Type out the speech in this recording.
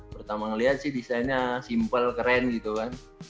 pertama ngelihat sih desainnya simple keren gitu kan